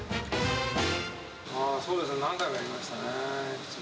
そうですね、何回もやりましたね。